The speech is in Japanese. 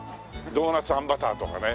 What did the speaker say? ドーナツあんバターとかね。